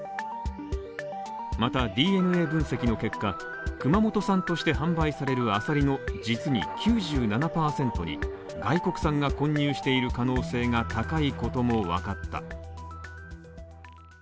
また、ＤＮＡ分析の結果熊本産として発売されるアサリの実に９７％に外国産が混入している可能性が高いことも分かった。